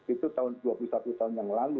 itu tahun dua puluh satu tahun yang lalu